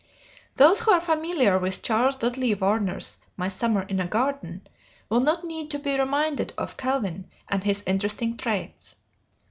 Those who are familiar with Charles Dudley Warner's "My Summer in a Garden" will not need to be reminded of Calvin and his interesting traits.